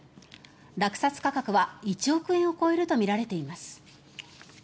落札価格は１億円を超えるとみられています。